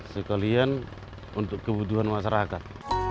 sekalian untuk kebutuhan masyarakat